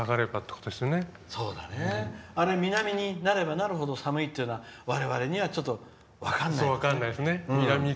南になればなるほど寒いっていうのは我々にはちょっと分からない。